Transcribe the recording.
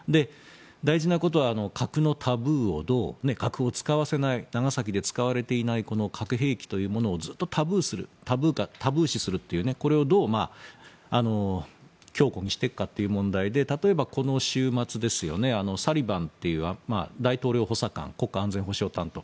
大事なことは核のタブーを核を使わせない長崎以来使われていないこの核兵器というものをずっとタブー視するというこれをどう強固にしていくかという問題で例えばこの週末サリバンという大統領補佐官国家安全保障担当